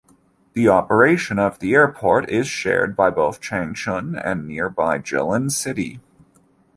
The operation of the airport is shared by both Changchun and nearby Jilin City.